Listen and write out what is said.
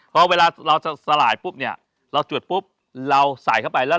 พอเวลาเราจะสลายปุ๊บเนี่ยเราจวดปุ๊บเราใส่เข้าไปแล้ว